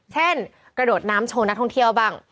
กระโดดน้ำโชว์นักท่องเที่ยวบ้าง